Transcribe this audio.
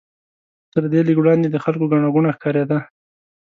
تر دې لږ وړاندې د خلکو ګڼه ګوڼه ښکارېده.